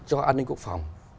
cho an ninh quốc phòng